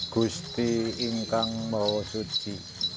kusipi ingkang mahusudji